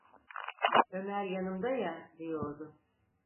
Ömer yanımda ya!" diyordu.